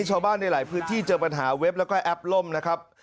ชาวบ้านในหลายพื้นที่เจอปัญหาเว็บแล้วก็แอปล่มนะครับ